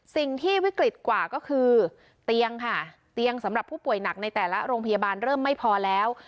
สิ่งที่วิกฤตกว่าก็คือเตียงค่ะเตียงสำหรับผู้ป่วยหนักในแต่ละโรงพยาบาลเริ่มไม่พอแล้ว